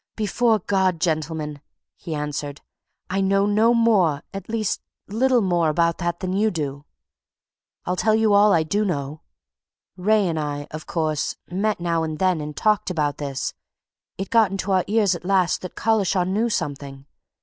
"Before God, gentlemen!" he answered. "I know no more at least, little more about that than you do! I'll tell you all I do know. Wraye and I, of course, met now and then and talked about this. It got to our ears at last that Collishaw knew something.